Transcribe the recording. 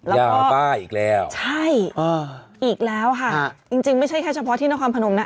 ยาข้าวป้าอีกแล้วอ้าวอ้าวอีกแล้วค่ะจริงไม่ใช่แค่เฉพาะที่นครพนมนะ